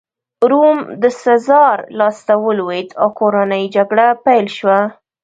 روم د سزار لاسته ولوېد او کورنۍ جګړه پیل شوه